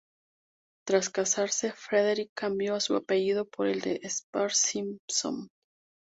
Tras casarse, Frederick cambió su apellido por el de Spicer-Simson.